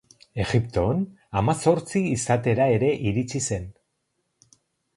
Egipton, hamazortzi izatera ere iritsi zen.